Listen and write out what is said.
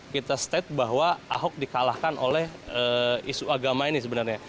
kita state bahwa ahok dikalahkan oleh isu agama ini sebenarnya